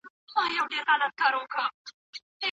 موږ به خوشحاله وو.